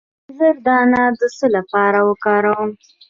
د انځر دانه د څه لپاره وکاروم؟